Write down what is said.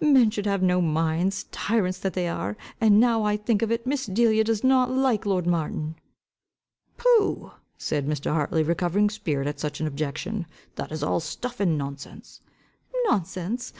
Men should have no minds. Tyrants that they are! And now I think of it, Miss Delia does not like lord Martin." "Pooh," said Mr. Hartley, recovering spirit at such an objection, "that is all stuff and nonsense." "Nonsense!